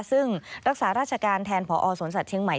ซึ่งรักษาราชการแทนพอสวนสัตวเชียงใหม่